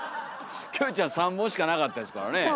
キョエちゃん３本しかなかったですからねえ。